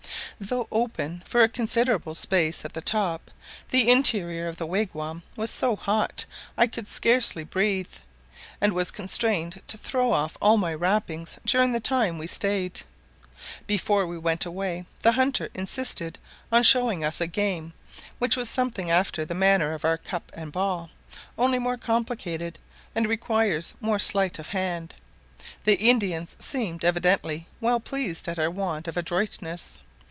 Though open for a considerable space at the top, the interior of the wigwam was so hot, I could scarcely breathe, and was constrained to throw off all my wrappings during the time we staid. Before we went away the hunter insisted on showing us a game, which was something after the manner of our cup and ball, only more complicated, and requires more sleight of hand: the Indians seemed evidently well pleased at our want of adroitness.